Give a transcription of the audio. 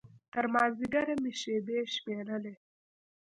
تر مازديګره مې شېبې شمېرلې.